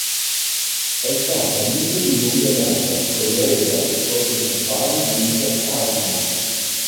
È stato amico di lunga data, collega e socio in affari di Isaac Asimov.